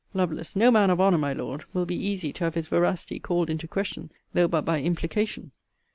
Lovel. No man of honour, my Lord, will be easy to have his veracity called into question, though but by implication.